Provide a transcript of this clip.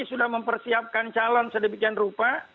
sudah mempersiapkan calon sedemikian rupa